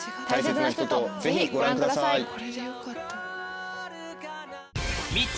大切な人とぜひご覧ください。